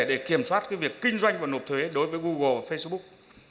để kiểm soát việc kinh doanh và nộp thuế đối với google facebook